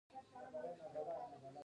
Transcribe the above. اوس همدا ګناه د ثواب په څېر ده.